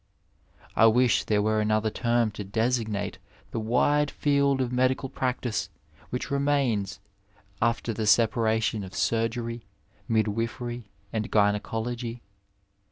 I wish there were another term to designate the wide field of medical practice which remains after the separation of snrgery, midwifery, and gynaecology.